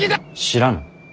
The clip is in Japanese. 知らぬ。